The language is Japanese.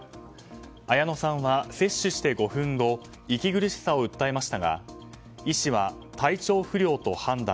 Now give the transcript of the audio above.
綾乃さんは接種して５分後息苦しさを訴えましたが医師は体調不良と判断。